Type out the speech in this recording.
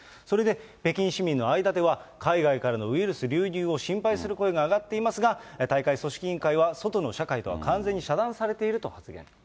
それで、北京市民の間では、海外からのウイルス流入を心配する声が上がっていますが、大会組織委員会は、外の社会とは完全に遮断されていると発言。